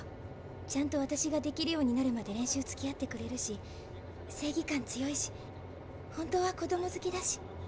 ちゃんと私ができるようになるまで練習つきあってくれるし正義感強いし本当は子供好きだし。